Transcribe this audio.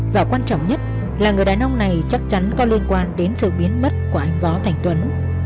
và quan trọng nhất là người đàn ông này chắc chắn có liên quan đến sự biến mất của anh võ thành tuấn